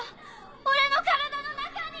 俺の体の中に！